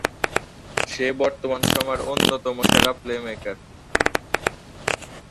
সে বর্তমান সময়ের অন্যতম সেরা প্লে-মেকার।